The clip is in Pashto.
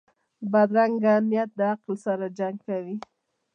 بدرنګه نیت له عقل سره جنګ کوي